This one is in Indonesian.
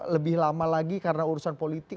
lebih lama lagi karena urusan politik